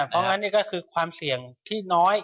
เพราะงั้นนี่ก็คือความเสี่ยงที่น้อย